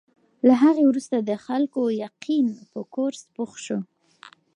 له هغې وروسته د خلکو یقین په کورس پوخ شو.